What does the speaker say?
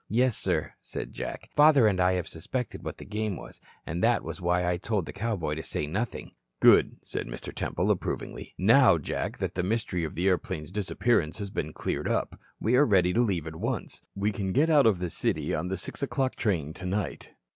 "Yes, sir," said Jack. "Father and I have suspected what the game was, and that was why I told the cowboy to say nothing." "Good," said Mr. Temple, approvingly. "Now, Jack, that the mystery of the airplane's disappearance has been cleared up, we are ready to leave at once. We can get out of New York City on the 6 o'clock train tonight.